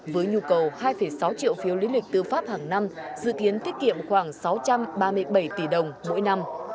với nhu cầu hai sáu triệu phiếu lý lịch tư pháp hàng năm dự kiến tiết kiệm khoảng sáu trăm ba mươi bảy tỷ đồng mỗi năm